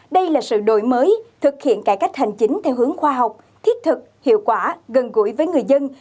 đây là sự đổi mới thực hiện cải cách hành chính theo hướng khoa học thiết thực hiệu quả gần gũi với người dân